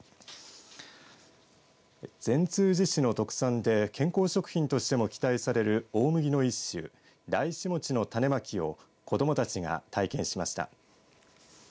善通寺市の特産で健康食品としても期待される大麦の一種、ダイシモチの種まきを子どもたちが体験しました。